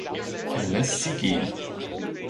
Er lässt sie gehen.